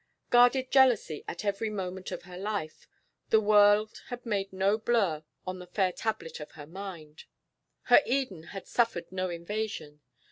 Guarded jealously at every moment of her life, the world had made no blur on the fair tablet of her mind; her Eden had suffered no invasion.